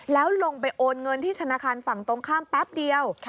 แล้วลงไปโอนเงินที่ธนาคารฝั่งตรงข้ามแป๊บเดียว